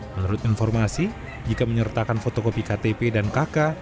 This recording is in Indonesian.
menurut informasi jika menyertakan fotokopi ktp dan kk